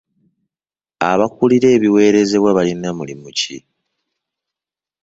Abakulira ebiweerezebwa balina mulimu ki?